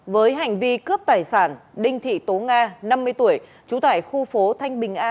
với hành vi cướp tài sản đinh thị tố nga năm mươi tuổi trú tại khu phố thanh bình a